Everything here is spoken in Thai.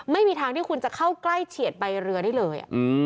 ไม่มีทางที่คุณจะเข้าใกล้เฉียดใบเรือได้เลย